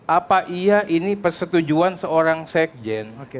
apa iya ini persetujuan seorang sekjen